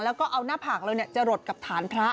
แล้วก็เอาหน้าผากเราจะหลดกับฐานพระ